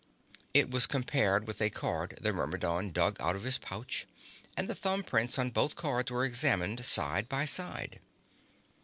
It was compared with a card the Myrmidon dug out of his pouch, and the thumbprints on both cards were examined side by side.